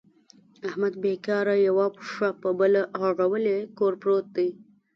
احمد بېکاره یوه پښه په بله اړولې کور پورت دی.